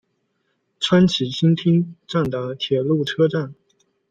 川崎新町站的铁路车站。